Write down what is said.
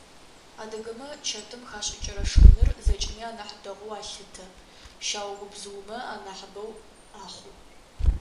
Адыгэмэ чэтым хашӏыкӏырэ шхыныр зэкӏэми анахь дэгъоу алъытэ, щагубзыумэ анахьыбэу ахъу.